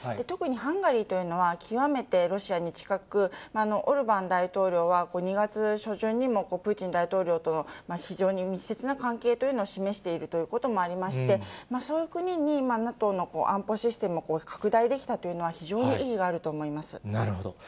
特にハンガリーというのは極めてロシアに近く、オルバン大統領は、この２月初旬にも、プーチン大統領との、非常に密接な関係というのを示しているということもありまして、そういう国にＮＡＴＯの安保システムを拡大できたというのは、なるほど。